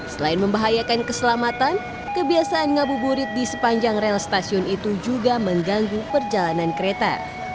selain membahayakan keselamatan kebiasaan ngabuburit di sepanjang rel stasiun itu juga mengganggu perjalanan kereta